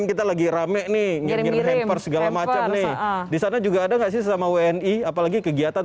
kita lagi rame nih nyirim nyirim segala macam nih disana juga ada nggak sih sama wni apalagi kegiatan